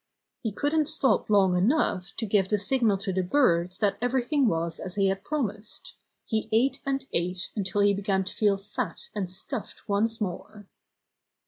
He couldn't stop long enough to give the signal to the birds that everything was as he had promised. He ate and ate until he began to feel fat and stuffed once more.